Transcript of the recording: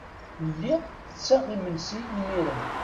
Lliɣ tetteɣ imensi imiren.